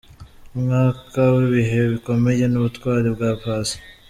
umwaka w’ibihe bikomeye n’ubutwari bwa Paccy .